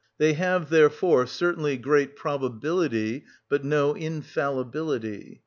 They have, therefore, certainly great probability, but no infallibility.